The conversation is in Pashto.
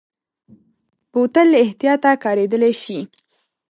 بوتل له احتیاطه کارېدلی شي.